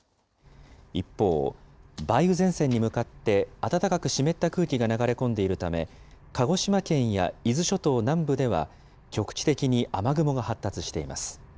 一方、梅雨前線に向かって暖かく湿った空気が流れ込んでいるため、鹿児島県や伊豆諸島南部では、局地的に雨雲が発達しています。